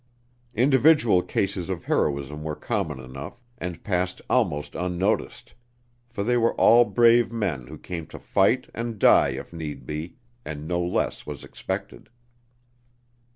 Individual cases of heroism were common enough, and passed almost unnoticed; for they were all brave men who came to fight and die if need be, and no less was expected.